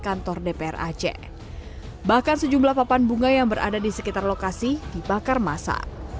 kantor dpr aceh bahkan sejumlah papan bunga yang berada di sekitar lokasi dibakar masa